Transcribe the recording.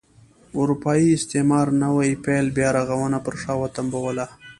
اروپايي استعمار نوي پیل بیا رغونه پر شا وتمبوله.